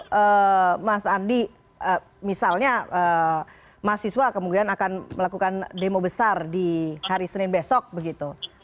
jadi mas andi misalnya mahasiswa kemudian akan melakukan demo besar di hari senin besok begitu